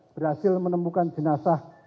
berhasil menemukan jenazah